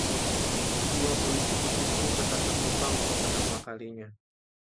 Kedua politikus itu bertatap muka untuk pertama kalinya.